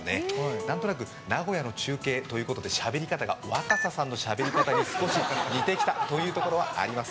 なんとなく名古屋の中継ということでしゃべり方が若狭さんに似てきたということがあります。